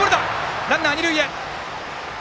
ランナーは二塁へ。